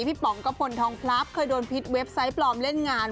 ป๋องกระพลทองพลับเคยโดนพิษเว็บไซต์ปลอมเล่นงาน